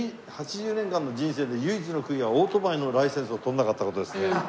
８０年間の人生で唯一の悔いがオートバイのライセンスを取らなかった事ですね。